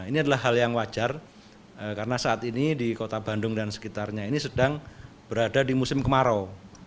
ini adalah hal yang wajar karena saat ini di kota bandung dan sekitarnya ini sedang berada di musim kemarau